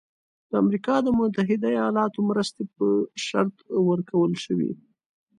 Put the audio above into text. د امریکا د متحده ایالاتو مرستې په شرط ورکول شوی.